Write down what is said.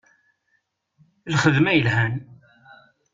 Lxedma yelhan.